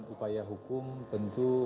upaya hukum tentu